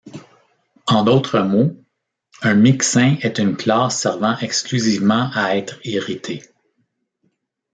En d'autres mots, un mixin est une classe servant exclusivement à être hérité.